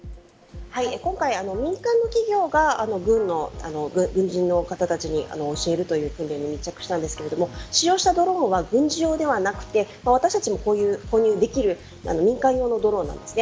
今回、民間の企業が軍人の方たちに教えるという訓練に密着したんですが使用したドローンは軍事用ではなくて私たちも購入できる民間用のドローンなんです。